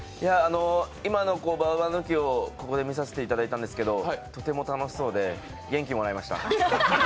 今のババ抜きをここで見させていただいたんですがとても楽しそうで元気をもらえました。